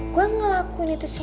gue ngelakuin itu semua